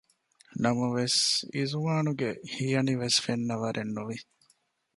ނަމަވެސް އިޒުވާނުގެ ހިޔަނިވެސް ފެންނަވަރެއް ނުވި